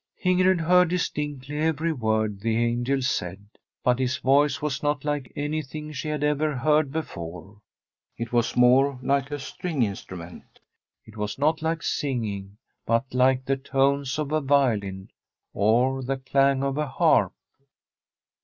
Ingrid heard distinctly every word the angel said; but his voice was not like anything she had ever heard before. It was more like a stringed instrument; it was not like singing, but like the tones of a violin or the clang of a harp.